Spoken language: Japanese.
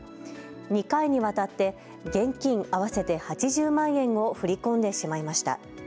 ２回にわたって現金合わせて８０万円を振り込んでしまいました。